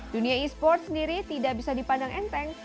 dunia esports sendiri tidak bisa dipandang enteng